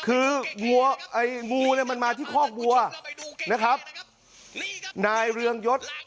เรียนเรียนเรียนเรียนเรียนเรียน